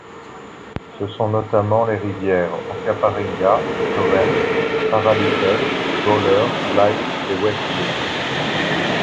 Ce sont notamment les rivières Onkaparinga, Torrens, Para Little, Gawler, Light et Wakefield.